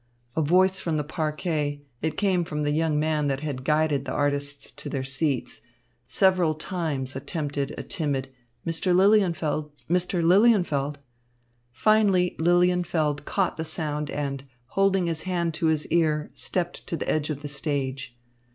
A voice from the parquet it came from the young man that had guided the artists to their seats several times attempted a timid "Mr. Lilienfeld, Mr. Lilienfeld." Finally Lilienfeld caught the sound and, holding his hand to his ear, stepped to the edge of the stage.